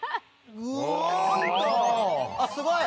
すごい！